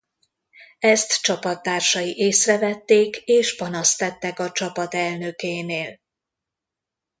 Ezt csapattársai észrevették és panaszt tettek a csapat elnökénél.